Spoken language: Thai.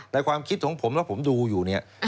ความคิดของผมแล้วผมดูอยู่เนี่ย